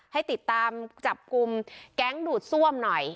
ให้ติดตามจับกลุ่มแก๊งดูดซ่วมหน่อย